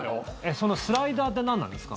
そのスライダーって何なんですか？